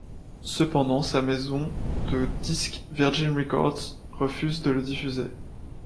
Cependant, sa maison de disques Virgin Records refuse de le diffuser.